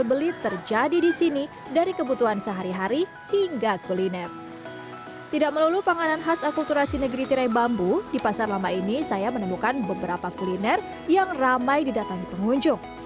berapa kuliner yang ramai didatangi pengunjung